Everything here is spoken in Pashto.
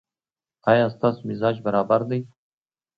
ایا ستاسو مزاج برابر دی؟